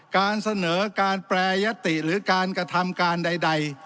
การเสนอการแปรยติหรือการกระทำการใด